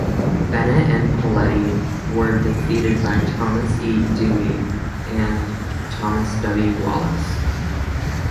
Bennett and Poletti were defeated by Thomas E. Dewey and Thomas W. Wallace.